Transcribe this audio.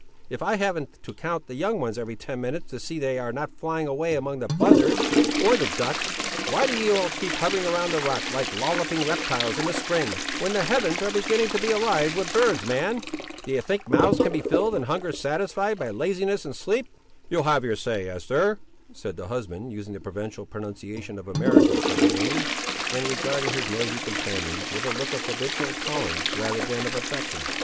if I haven't to count the young ones every ten minutes, to see they are not flying away among the buzzards, or the ducks. Why do ye all keep hovering round the rock, like lolloping reptiles in the spring, when the heavens are beginning to be alive with birds, man. D'ye think mouths can be filled, and hunger satisfied, by laziness and sleep!" "You'll have your say, Eester," said the husband, using the provincial pronunciation of America for the name, and regarding his noisy companions, with a look of habitual tolerance rather than of affection.